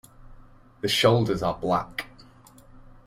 The shoulders are black.